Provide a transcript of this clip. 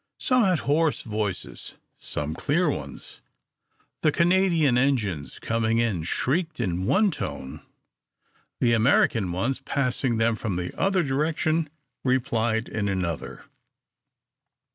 Some had hoarse voices, some clear ones. The Canadian engines coming in shrieked in one tone, the American ones, passing them from the other direction, replied in another.